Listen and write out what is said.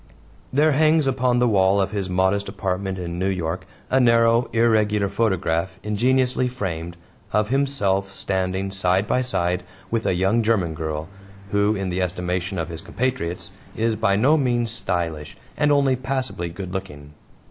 There hangs upon the wall of his modest apartment in New York a narrow, irregular photograph ingeniously framed, of himself standing side by side with a young German girl, who, in the estimation of his compatriots, is by no means stylish and only passably good looking.